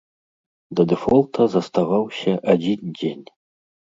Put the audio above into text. Да дэфолта заставаўся адзін дзень.